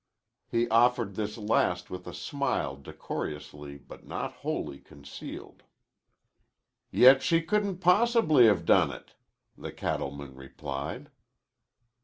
He offered this last with a smile decorously but not wholly concealed. "Yet she couldn't possibly have done it!" the cattleman replied.